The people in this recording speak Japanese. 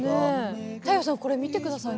太陽さんこれ見てください。